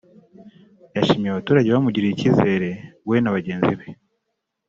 yashimiye abaturage bamugiriye icyizere we na bagenzi be